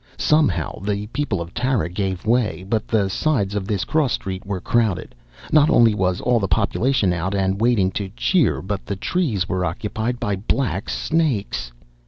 Somehow, the people of Tara gave way. But the sides of this cross street were crowded. Not only was all the population out and waiting to cheer, but the trees were occupied. By black snakes.